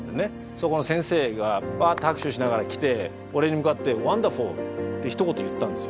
そこの先生がワーッて拍手しながら来て俺に向かって「Ｗｏｎｄｅｒｆｕｌ」ってひとこと言ったんですよ